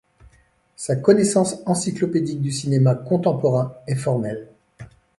Sa connaissance encyclopédique du cinéma contemporain est formelle.